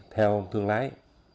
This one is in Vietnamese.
theo thương lái